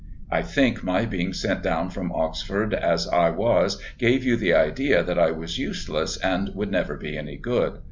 I think my being sent down from Oxford as I was gave you the idea that I was useless and would never be any good.